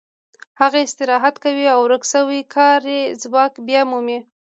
هغه استراحت کوي او ورک شوی کاري ځواک بیا مومي